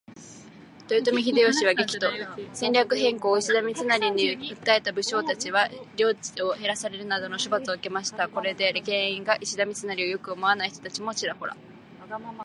豊臣秀吉は激怒。戦略変更を石田三成に訴えた武将達は領地を減らされるなどの処罰を受けました。これが原因で石田三成を良く思わない人たちもちらほら。